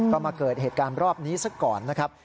ก็มาเกิดเหตุการณ์รอบนี้ซะก่อนนะครับ